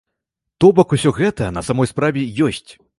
То бок усё гэта, на самой справе, ёсць.